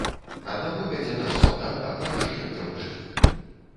Аднаго вядзе наш салдат, абняўшы, як дзяўчыну.